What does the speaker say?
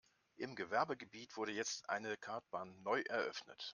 Im Gewerbegebiet wurde jetzt eine Kartbahn neu eröffnet.